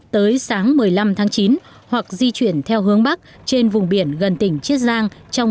tới sáng một mươi năm tháng chín hoặc di chuyển theo hướng bắc trên vùng biển gần tỉnh chiết giang trong